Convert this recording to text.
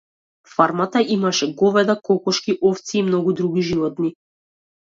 Фармата имаше говеда, кокошки, овци и многу други животни.